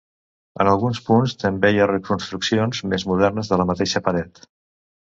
En alguns punts també hi ha reconstruccions més modernes de la mateixa paret.